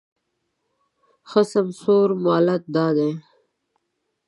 ښه سمسوره مالت دا دی